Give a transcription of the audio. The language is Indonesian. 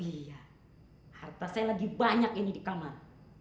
iya harta saya lagi banyak ini di kamar